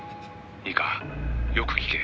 「いいかよく聞け。